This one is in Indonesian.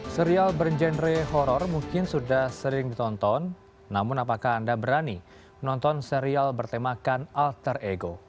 serial berjenre horror mungkin sudah sering ditonton namun apakah anda berani menonton serial bertemakan alter ego